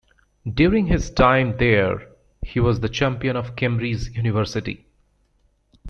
During his time there, he was the champion of Cambridge University.